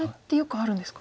あるんですか！